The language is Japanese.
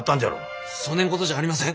そねんことじゃありません。